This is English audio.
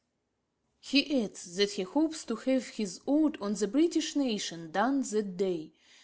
He adds that he hopes to have his Ode on the British Nation done that day.